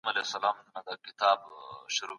د ریښتیني څېړونکي صفت دا دی چې بې طرفه وي.